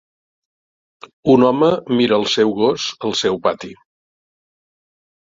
Un home mira el seu gos al seu pati.